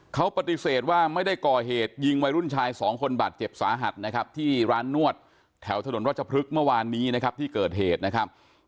เขาปฏิเสธว่าไม่ได้ก่อเหตุยิงวัยรุ่นชายสองคนบาดเจ็บสาหัสนะครับที่ร้านนวดแถวถนนรัชพฤกษ์เมื่อวานนี้นะครับที่เกิดเหตุนะครับ